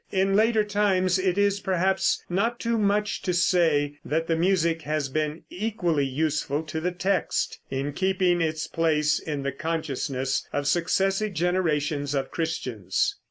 In later times it is perhaps not too much to say that the music has been equally useful to the text, in keeping its place in the consciousness of successive generations of Christians.